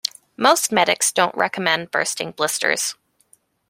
Most medics don't recommend bursting blisters